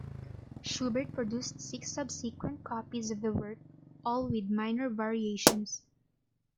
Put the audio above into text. Schubert produced six subsequent copies of the work, all with minor variations.